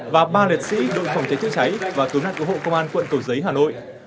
và ba liệt sĩ đội phòng cháy chữa cháy và cứu nạn cứu hộ công an quận cầu giấy hà nội